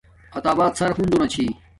عطا آباد سر ہنزو نا چھی